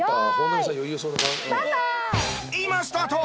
今スタート！